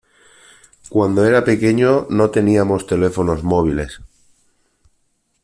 Cuando era pequeño no teníamos teléfonos móviles.